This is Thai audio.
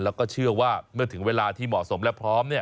แล้วก็เชื่อว่าเมื่อถึงเวลาที่เหมาะสมและพร้อม